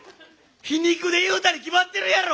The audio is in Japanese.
皮肉で言うたに決まってるやろおい！